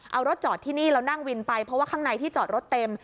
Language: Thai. เอารถจอดที่นี่แล้วนั่งวินไปเพราะว่าข้างในที่จอดรถเต็ม